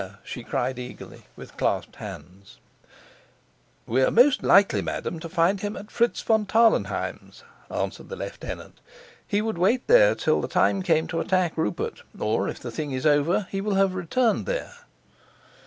she cried eagerly, with clasped hands. "We're most likely, madam, to find him at Fritz von Tarlenheim's," answered the lieutenant. "He would wait there till the time came to attack Rupert, or, if the thing is over, he will have returned there."